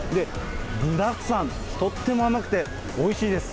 具だくさん、とっても甘くて、おいしいです。